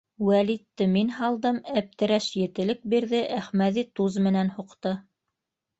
Вәлитте мин һалдым, Әптерәш етелек бирҙе, Әхмәҙи туз менән һуҡты!